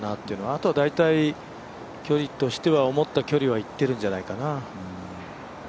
あとは大体距離としては思った距離はいってるんじゃないかな。